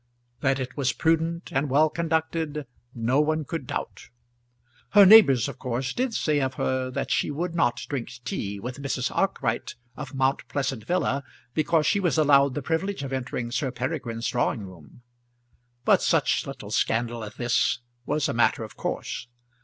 That it was prudent and well conducted no one could doubt. Her neighbours of course did say of her that she would not drink tea with Mrs. Arkwright of Mount Pleasant villa because she was allowed the privilege of entering Sir Peregrine's drawing room; but such little scandal as this was a matter of course.